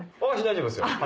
大丈夫ですよ。